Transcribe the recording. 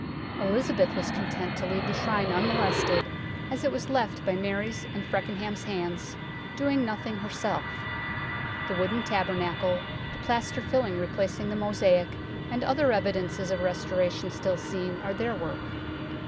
Elizabeth was content to leave the Shrine unmolested as it was left by Mary's and Fecken ham's hands, doing nothing herself ; the wooden tabernacle, the plaster filling replacing the mosaic, and other evidences of restoration still seen are their work.